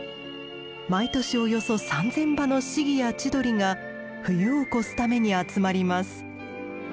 毎年およそ３，０００羽のシギやチドリが冬を越すために集まります。